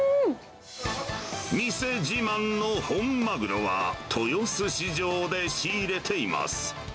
店自慢の本マグロは、豊洲市場で仕入れています。